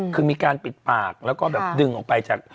คือมีการปิดปากแล้วก็แบบดึงออกไปจาก